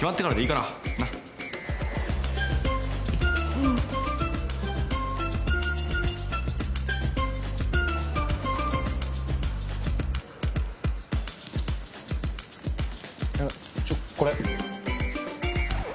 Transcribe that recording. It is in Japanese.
いやちょっこれ。